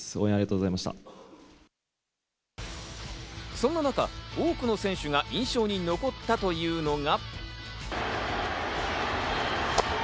そんな中、多くの選手が印象に残ったというのが。